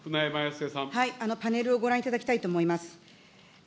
パネルをご覧いただきたいと思います。